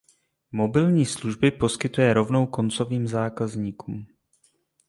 Mobilní služby poskytuje rovnou koncovým zákazníkům.